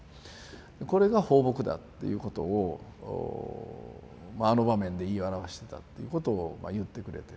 これが抱樸だっていうことをあの場面で言い表してたっていうことを言ってくれて。